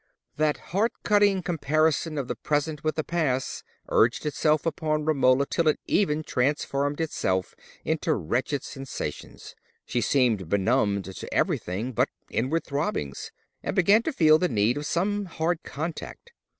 That heart cutting comparison of the present with the past urged itself upon Romola till it even transformed itself into wretched sensations: she seemed benumbed to everything but inward throbbings, and began to feel the need of some hard contact.